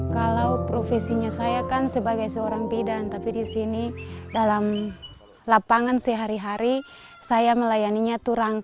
kalau profesinya saya kan sebagai seorang bidan tapi di sini dalam lapangan sehari hari saya melayaninya turang